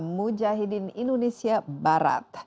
mujahidin indonesia barat